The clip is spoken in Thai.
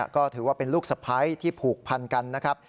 ก็ถือว่าเป็นลูกสะพ้ายที่ผูกพันกันนะครับ